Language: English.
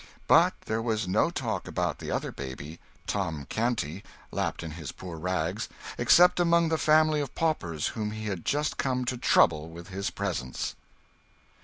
But there was no talk about the other baby, Tom Canty, lapped in his poor rags, except among the family of paupers whom he had just come to trouble with his presence.